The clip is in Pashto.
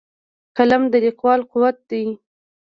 قلم د لیکوال قوت دی